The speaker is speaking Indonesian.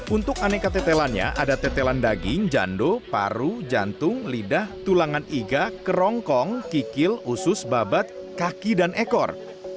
untuk aneka tetelannya ada tetelan daging jando paru jantung lidah tulangan iga kerongkong kikil usus babat kaki dan ekor